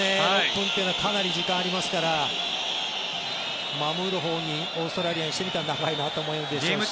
６分というのはかなり時間がありますから守るほうにオーストラリアにしてみたら長いなと思うでしょうし。